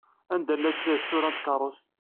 Anda llant tsura n tkeṛṛust?